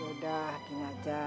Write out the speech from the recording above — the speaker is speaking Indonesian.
yaudah gini aja